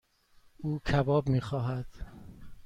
او کباب میخواهد.